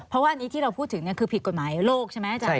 เพราะว่าอันนี้ที่เราพูดถึงคือผิดกฎหมายโลกใช่ไหมอาจารย์